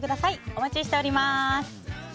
お待ちしております。